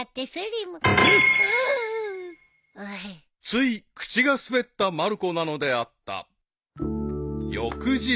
［つい口が滑ったまる子なのであった］